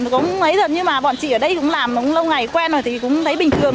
cũng mấy giờ nhưng mà bọn chị ở đây cũng làm lâu ngày quen rồi thì cũng thấy bình thường